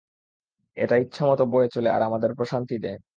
এটা ইচ্ছামত বয়ে চলে আর আমাদের প্রশান্তি দেয়।